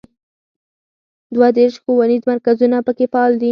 دوه دیرش ښوونیز مرکزونه په کې فعال دي.